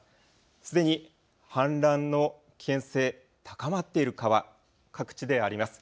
すでに氾濫の危険性、高まっている川、各地であります。